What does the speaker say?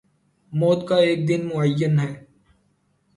موت کا ایک دن معین ہے